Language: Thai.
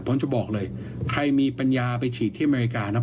ผมจะบอกเลยใครมีปัญญาไปฉีดที่อเมริกานะ